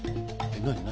何？